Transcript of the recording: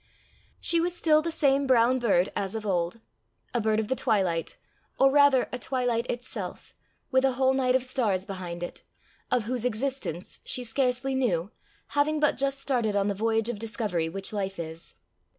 She was still the same brown bird as of old a bird of the twilight, or rather a twilight itself, with a whole night of stars behind it, of whose existence she scarcely knew, having but just started on the voyage of discovery which life is.